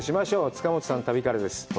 塚本さんの旅からです。